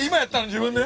自分で？